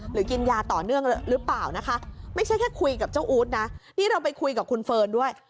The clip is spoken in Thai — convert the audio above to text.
กินยาต่อเนื่องหรือเปล่านะคะไม่ใช่แค่คุยกับเจ้าอู๊ดนะนี่เราไปคุยกับคุณเฟิร์นด้วย